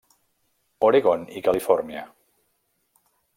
Oregon i Califòrnia.